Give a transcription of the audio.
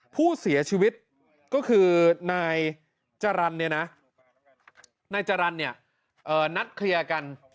ผู้เสียชีวิตก็คือนายจรรย์เนี่ยนะนายจรรย์เนี่ยนัดเคลียร์กัน